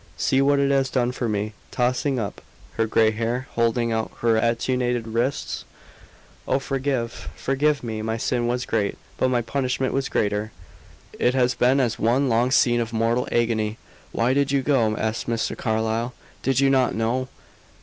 See what it has done for me!" tossing up her gray hair, holding out her attenuated wrists. "Oh, forgive forgive me! My sin was great, but my punishment was greater. It has been as one long scene of mortal agony." "Why did you go?" asked Mr. Carlyle. "Did you not know?"